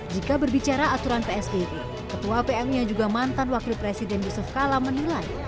jika berbicara aturan psbb ketua pmi yang juga mantan wakil presiden yusuf kala menilai